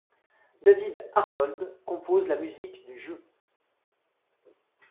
David Arnold compose la musique du jeu.